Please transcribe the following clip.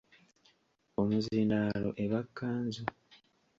Omuzindaalo eba Kkanzu.